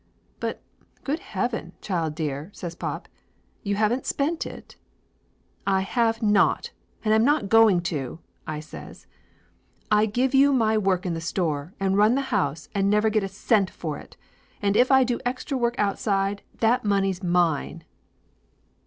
"But, good heaven, child dear," says pop. "You haven't spent it?" "I have not, and I'm not going to!" I says. "I give you my work in the store and run the house and never get a cent for it, and if I do extra work outside, that money is mine!"